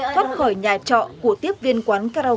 thoát khỏi nhà trọ của tiếp viên quán cao